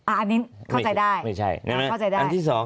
อันนี้เข้าใจได้